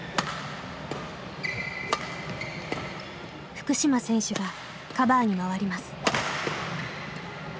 福島選手がカバーに回ります。